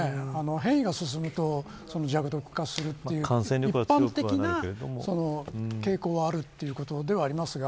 変異が進むと弱毒化するという一般的な傾向はあるということですが。